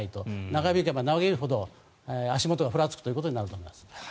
長引けば長引くほど足元がふらつくことになると思います。